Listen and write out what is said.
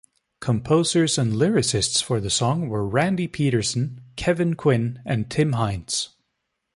Composers and lyricist for the song were Randy Petersen, Kevin Quinn, and Tim Heintz.